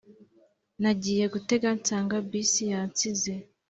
Nagiye gutega nsanga bus yansize